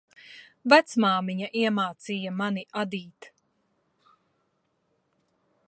Vecmāmiņa iemācīja mani adīt.